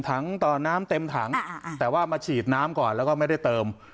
ต่อน้ำเต็มถังแต่ว่ามาฉีดน้ำก่อนแล้วก็ไม่ได้เติม